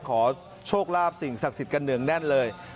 ขอโชคลาภสิ่งศักดิ์สิทธิ์กันเหนืองแน่นเลย